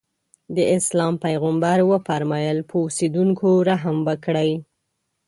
د اسلام پیغمبر وفرمایل په اوسېدونکو رحم وکړئ.